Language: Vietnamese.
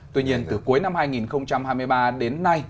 tuy nhiên từ cuối năm hai nghìn hai mươi ba đến nay